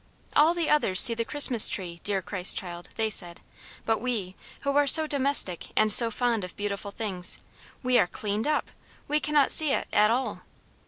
"All the others see the Christmas Tree, dear Christ child," they said; "but we, who are so domestic and so fond of beautiful things, we are cleaned up! We cannot see it, at all."